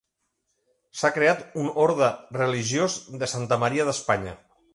S'ha creat un Orde Religiós de Santa Maria d'Espanya.